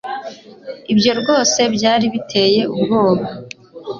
Ibyo rwose byari biteye ubwoba